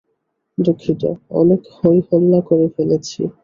দুঃখিত, অনেক হইহল্লা করে ফেলেছি।